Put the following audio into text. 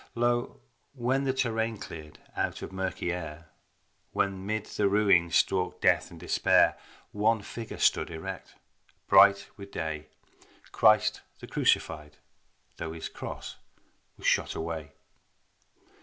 Lo! When the terrain cleared out of murky air, When mid the ruins stalked death and despair, One figure stood erect, bright with day, Christ the Crucified, though His Cross was shot away.